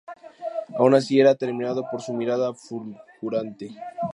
Aun así era temido por su mirada fulgurante.